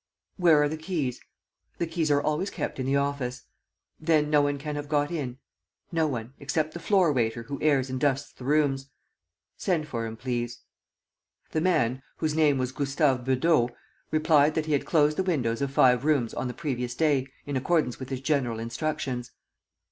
"Where are the keys?" "The keys are always kept in the office." "Then no one can have got in? ..." "No one, except the floor waiter who airs and dusts the rooms." "Send for him, please." The man, whose name was Gustave Beudot, replied that he had closed the windows of five rooms on the previous day in accordance with his general instructions.